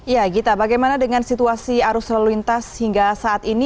ya gita bagaimana dengan situasi arus lalu lintas hingga saat ini